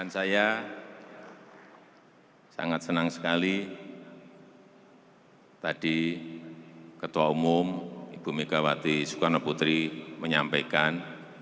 saya sangat senang sekali tadi ketua umum ibu megawati sukarno putri menyampaikan